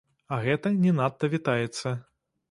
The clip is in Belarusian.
А гэта не надта вітаецца.